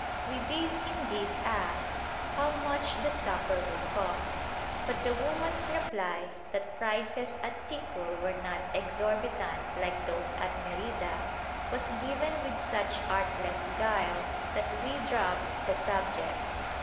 We did indeed ask how much the supper would cost; but the woman's reply, that prices at Ticul were not exorbitant like those at Merida, was given with such artless guile that we dropped the subject.